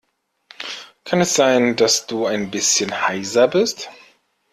Kann es sein, dass du ein bisschen heiser bist?